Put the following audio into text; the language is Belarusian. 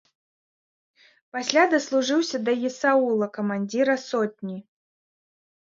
Пасля даслужыўся да есаула, камандзіра сотні.